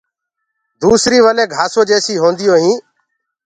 دوسري ولينٚ گھاسو جيسونٚ هونديو هينٚ۔